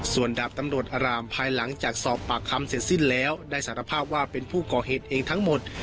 ส่วนดาบตำรวจอารามภายหลังจากสอบปากคำเสร็จสิ้นแล้วได้สารภาพว่าเป็นผู้ก่อเหตุเองทั้งหมด